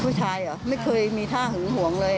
ผู้ชายไม่เคยมีท่าห่วงเลย